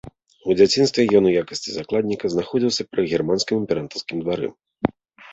У дзяцінстве ён у якасці закладніка знаходзіўся пры германскім імператарскім двары.